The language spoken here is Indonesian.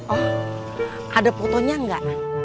oh ada fotonya nggak